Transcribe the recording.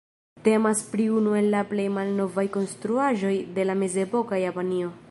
Temas pri unu el la plej malnovaj konstruaĵoj de la mezepoka Japanio.